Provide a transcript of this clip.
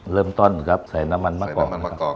เริ่มต้นครับใส่น้ำมันมะกอก